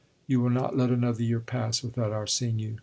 You will not let another year pass without our seeing you.